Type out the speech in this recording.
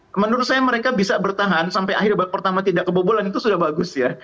dan menurut saya mereka bisa bertahan sampai akhir babak pertama tidak kebobolan itu sudah bagus ya